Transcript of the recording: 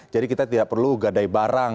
jadi kita tidak perlu gadai barang